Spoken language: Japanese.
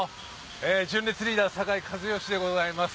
純烈・リーダー酒井一圭でございます。